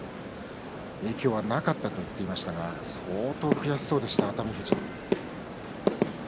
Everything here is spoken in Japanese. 影響はなかったと話していましたが相当、悔しそうでした。